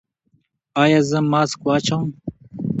ایا زه ماسک واچوم؟